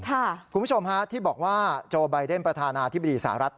คุณผู้ชมฮะที่บอกว่าโจไบเดนประธานาธิบดีสหรัฐ